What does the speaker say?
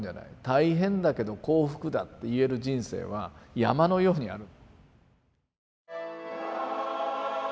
「大変だけど幸福だ」って言える人生は山のようにある。